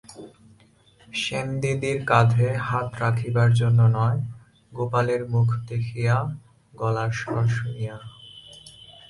সেনদিদির কাধে হাত রাখিবার জন্য নয়, গোপালের মুখ দেখিয়া, গলার স্বর শুনিয়া।